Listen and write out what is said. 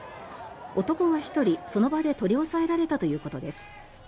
男が１人、その場で取り押さえられたということです。